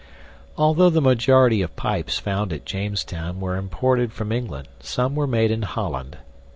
Although the majority of pipes found at Jamestown were imported from England, some were made in Holland.